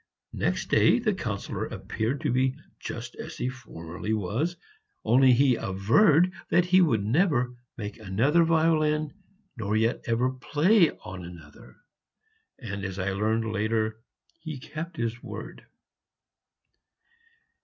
Next day the Councillor appeared to be just as he formerly was, only he averred that he would never make another violin, nor yet ever play on another. And, as I learned later, he kept his word.